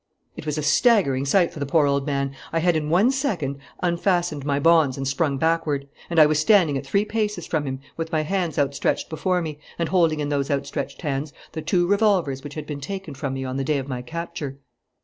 It was a staggering sight for the poor old man. I had, in one second, unfastened my bonds and sprung backward; and I was standing at three paces from him, with my hands outstretched before me, and holding in those outstretched hands the two revolvers which had been taken from me on the day of my capture!